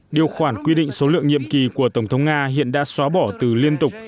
điều khoản quy định số lượng nhiệm kỳ của tổng thống nga hiện đã xóa bỏ từ liên tục